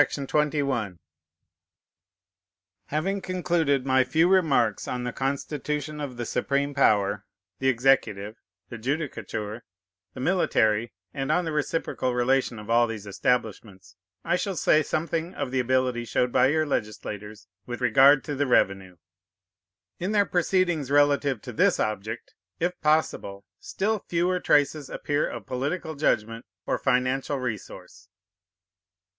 Having concluded my few remarks on the constitution of the supreme power, the executive, the judicature, the military, and on the reciprocal relation of all these establishments, I shall say something of the ability showed by your legislators with regard to the revenue. In their proceedings relative to this object, if possible, still fewer traces appear of political judgment or financial resource.